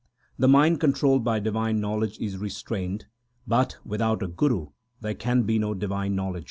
The mind controlled by divine knowledge is restrained ; but without a guru there can be no divine knowledge.